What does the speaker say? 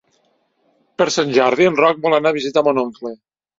Per Sant Jordi en Roc vol anar a visitar mon oncle.